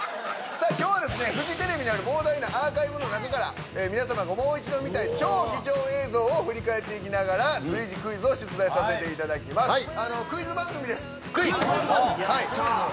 さあ今日はですねフジテレビにある膨大なアーカイブの中から皆さまがもう一度見たい超貴重映像を振り返っていきながら随時クイズを出題させていただきます。